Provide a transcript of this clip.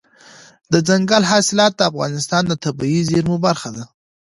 دځنګل حاصلات د افغانستان د طبیعي زیرمو برخه ده.